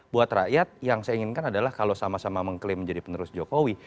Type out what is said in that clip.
buat rakyat yang saya inginkan adalah kalau sama sama mengklaim menjadi penerus jokowi